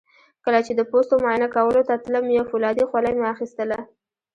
کله چې د پوستو معاینه کولو ته تلم یو فولادي خولۍ مې اخیستله.